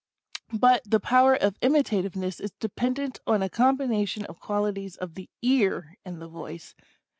But the power of imitativeness is dependent on a combi nation of qualities of the ear and the voice.